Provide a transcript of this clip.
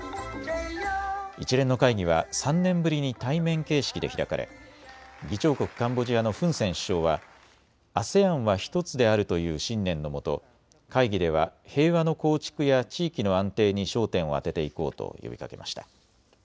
一連の会議は３年ぶりに対面形式で開かれ議長国カンボジアのフン・セン首相はＡＳＥＡＮは１つであるという信念のもと会議では平和の構築や地域の安定に焦点を当てていこうと呼びかけました。